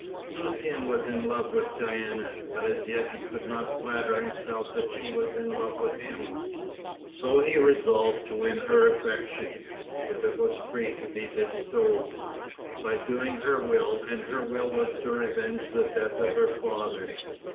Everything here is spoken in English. Lucian was in love with Diana, but as yet he could not flatter himself that she was in love with him, so he resolved to win her affection if it was free to be bestowed by doing her will, and her will was to revenge the death of her father.